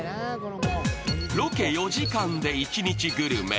ロケ４時間で一日グルメ。